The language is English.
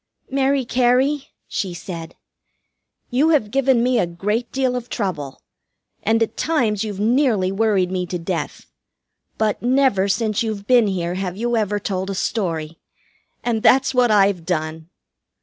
"Mary Cary," she said, "you have given me a great deal of trouble, and at times you've nearly worried me to death. But never since you've been here have you ever told a story, and that's what I've done."